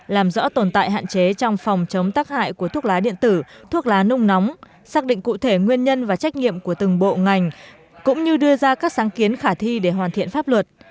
làm rõ tồn tại hạn chế trong phòng chống tắc hại của thuốc lá điện tử thuốc lá nung nóng xác định cụ thể nguyên nhân và trách nhiệm của từng bộ ngành cũng như đưa ra các sáng kiến khả thi để hoàn thiện pháp luật